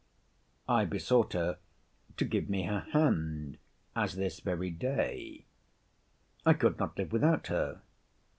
I besought her to give me her hand as this very day. I could not live without her.